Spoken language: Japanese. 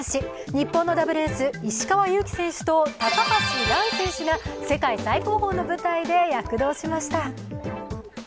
日本のダブルエース石川祐希選手と高橋藍選手が世界最高峰の舞台で躍動しました。